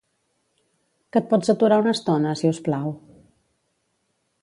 Que et pots aturar una estona, si us plau?